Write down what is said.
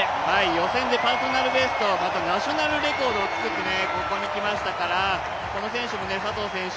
予選でパーソナルベスト、またナショナルレコードを作ってここに来ましたからこの選手も佐藤選手